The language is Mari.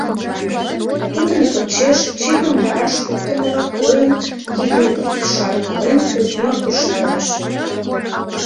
Тудын почеш, чывым вараш поктымыла койын, кидым шаркален, Кузьма куржталеш.